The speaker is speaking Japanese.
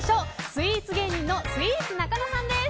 スイーツ芸人のスイーツなかのさんです。